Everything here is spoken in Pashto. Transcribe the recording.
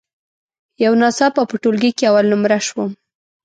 یو ناڅاپه په ټولګي کې اول نمره شوم.